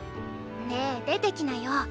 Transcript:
ねえ出てきなよ。